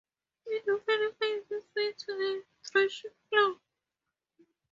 It often finds its way to the threshing floor.